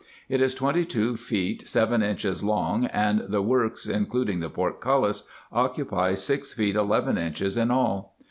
It is twenty two feet seven inches long, and the works including the portcullis occupy six feet eleven inches in all.